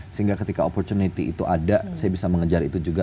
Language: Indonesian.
sehingga ketika opportunity itu ada saya bisa mengejar itu juga